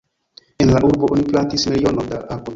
En la urbo oni plantis milionon da arboj.